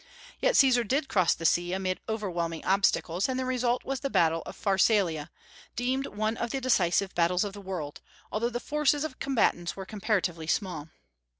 Yet Caesar did cross the sea amid overwhelming obstacles, and the result was the battle of Pharsalia, deemed one of the decisive battles of the world, although the forces of the combatants were comparatively small.